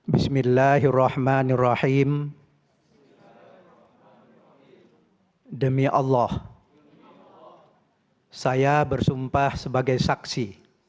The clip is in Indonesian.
bismillahirrahmanirrahim demi allah saya bersumpah sebagai saksi